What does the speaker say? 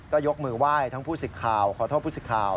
ก็ยกมือไหว้ทั้งผู้สิทธิ์ข่าวขอโทษผู้สิทธิ์ข่าว